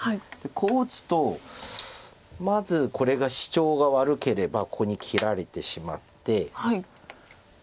こう打つとまずこれがシチョウが悪ければここに切られてしまって。